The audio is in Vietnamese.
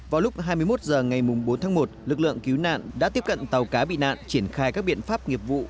vào lúc hai mươi một h ngày bốn tháng một lực lượng cứu nạn đã tiếp cận tàu cá bị nạn triển khai các biện pháp nghiệp vụ